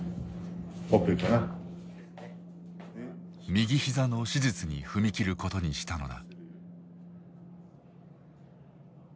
右膝の手術に踏み切ることにしたのだ。